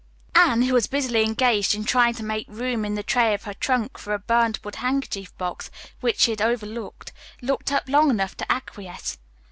Anne, who was busily engaged in trying to make room in the tray of her trunk for a burned wood handkerchief box which she had overlooked, looked up long enough to acquiesce.